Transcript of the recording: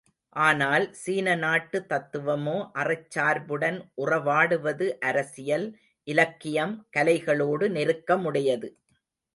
ஆனால், சீன நாட்டு தத்துவமோ, அறச் சார்புடன் உறவாடுவது அரசியல், இலக்கியம், கலைகளோடு நெருக்கமுடையது.